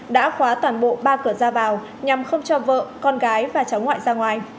đã khóa toàn bộ ba cửa ra vào nhằm không cho vợ con gái và cháu ngoại ra ngoài